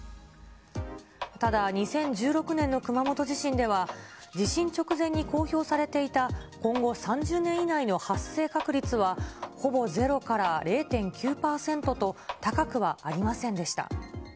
ただ、２０１６年の熊本地震では、地震直前に公表されていた今後３０年以内の発生確率はほぼ０から０．９％と、高くはありませんでした。